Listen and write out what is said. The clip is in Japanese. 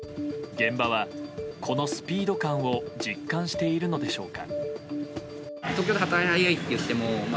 現場は、このスピード感を実感しているのでしょうか。